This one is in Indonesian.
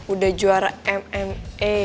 udah juara mma